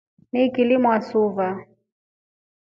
Nikili wasua.